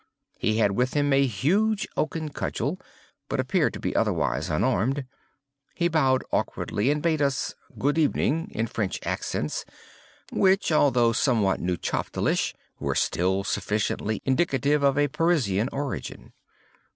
_ He had with him a huge oaken cudgel, but appeared to be otherwise unarmed. He bowed awkwardly, and bade us "good evening," in French accents, which, although somewhat Neufchatelish, were still sufficiently indicative of a Parisian origin.